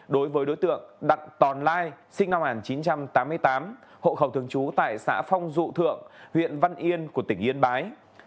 đối với đối tượng đặng tòn lai sinh năm một nghìn chín trăm tám mươi tám hộ khẩu thường trú tại xã phong dụ thượng huyện văn yên của tỉnh yên bái